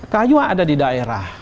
kayu ada di daerah